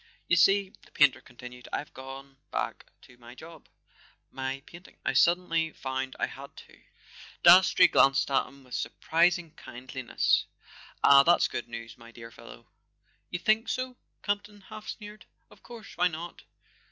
"You see," the painter continued, "I've gone back to my job—my painting. I suddenly found I had to." [ 232 ] A SON AT THE FRONT Dastrey glanced at him with surprising kindliness. "Ah, that's good news, my dear fellow!" "You think so?" Campton half sneered. "Of course—why not?